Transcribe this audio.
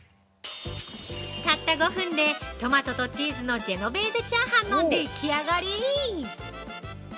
たった５分でトマトとチーズのジェノベーゼチャーハンのでき上がり！